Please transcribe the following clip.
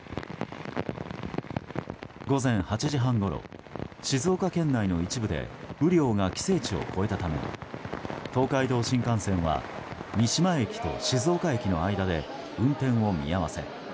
午前８時半ごろ静岡県内の一部で雨量が規制値を超えたため東海道新幹線は三島駅と静岡駅の間で運転を見合わせ。